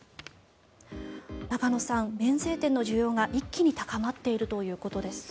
中野さん、免税店の需要が一気に高まっているということです。